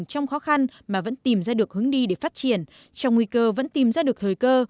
trong khó khăn mà vẫn tìm ra được hướng đi để phát triển trong nguy cơ vẫn tìm ra được thời cơ